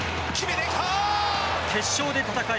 決勝で戦い